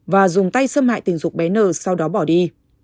và dùng tay xâm hại tình dục bé nờ sau đó bỏ đi